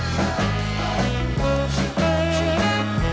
รับทราบ